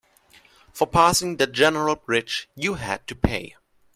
For passing the general bridge, you had to pay.